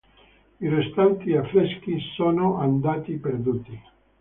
I restanti affreschi sono andati perduti.